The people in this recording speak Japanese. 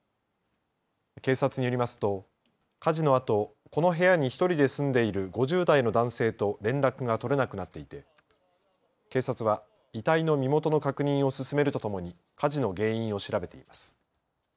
警察によりますと火事のあとこの部屋に１人で住んでいる５０代の男性と連絡が取れなくなっていて警察は遺体の身元の確認を進めるとともに火事の原因を調べています。